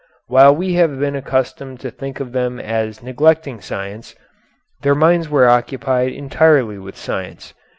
While we have been accustomed to think of them as neglecting science, their minds were occupied entirely with science.